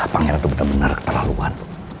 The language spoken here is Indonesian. pangeran tuh bener bener keterlaluan